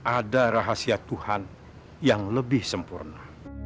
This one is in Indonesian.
ada rahasia tuhan yang lebih sempurna